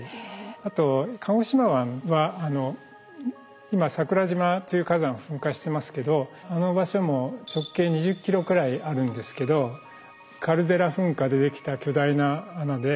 あと鹿児島湾は今桜島という火山噴火してますけどあの場所も直径２０ｋｍくらいあるんですけどカルデラ噴火でできた巨大な穴で。